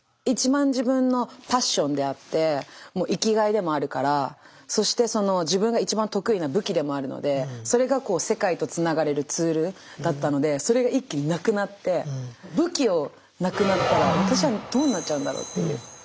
一番自分のパッションであって生きがいでもあるからそして自分が一番得意な武器でもあるのでそれが世界とつながれるツールだったのでそれが一気になくなって武器をなくなったら私はどうなっちゃうんだろうっていう。